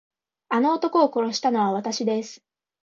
あの男を殺したのはわたしです。